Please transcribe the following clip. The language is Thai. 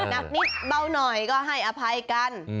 หนักนิดเบาหน่อยก็ให้อภัยกัน